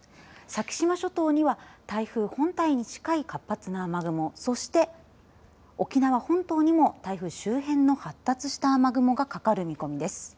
先島諸島には台風本体に近い活発な雨雲そして、沖縄本島にも台風周辺の発達した雨雲がかかる見込みです。